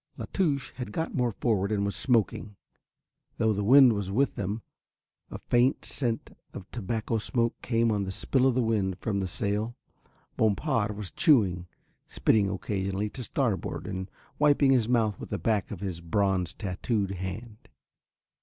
La Touche had got more forward and was smoking and, though the wind was with them, a faint scent of tobacco smoke came on the spill of the wind from the sail. Bompard was chewing, spitting occasionally to starboard and wiping his mouth with the back of his bronzed tattooed hand.